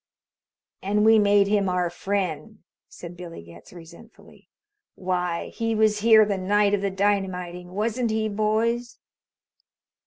"And we made him our friend," said Billy Getz resentfully. "Why, he was here the night of the dynamiting wasn't he, boys?"